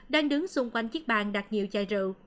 đang đứng xung quanh chiếc bàn đặt nhiều chài rượu